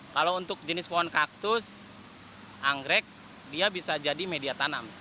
kalau untuk jenis pohon kaktus anggrek dia bisa jadi media tanam